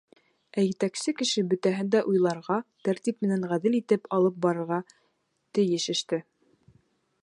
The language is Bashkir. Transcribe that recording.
Ә етәксе кеше бөтәһен дә уйларға, тәртип менән ғәҙел итеп алып барырға тейеш эште.